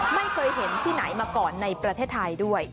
ไม่เคยเห็นที่ไหนมาก่อนในประเทศไทยด้วย